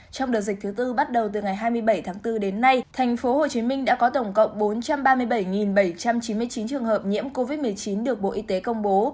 trong đợt dịch thứ tư bắt đầu từ ngày hai mươi bảy tháng bốn đến nay tp hcm đã có tổng cộng bốn trăm ba mươi bảy bảy trăm chín mươi chín trường hợp nhiễm covid một mươi chín được bộ y tế công bố